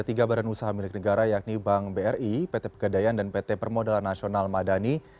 tiga badan usaha milik negara yakni bank bri pt pegadaian dan pt permodalan nasional madani